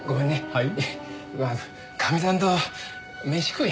はい？